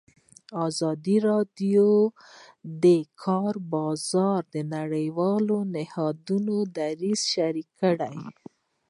ازادي راډیو د د کار بازار د نړیوالو نهادونو دریځ شریک کړی.